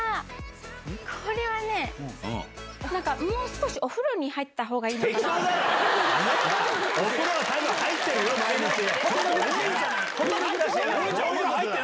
これはね、なんか、もう少しお風呂に入ったほうがいいのかな。